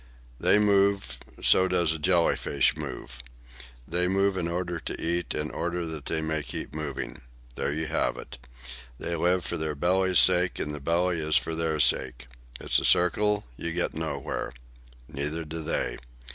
"They move, so does the jelly fish move. They move in order to eat in order that they may keep moving. There you have it. They live for their belly's sake, and the belly is for their sake. It's a circle; you get nowhere. Neither do they.